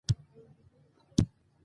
د ریګ دښتې د طبیعت برخه ده.